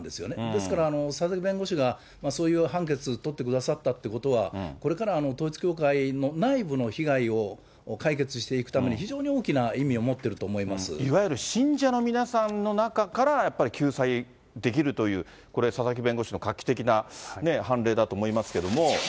ですから、佐々木弁護士がそういう判決取ってくださったということは、これから統一教会の内部の被害を解決していくために、非常に大きな意いわゆる信者の皆さんの中から、やっぱり救済できるという、これ、佐々木弁護士の画期的な判例だと思いますけれども。